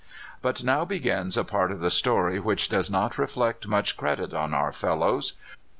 But now begins a part of the story which does not reflect much credit on our fellows.